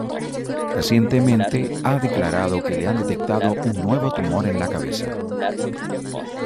Recientemente, ha declarado que le han detectado un nuevo tumor en la cabeza.